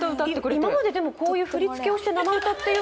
今までこうやって振り付けをして生歌って。